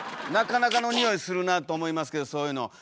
なかなかのにおいするなあと思いますけどそういうの。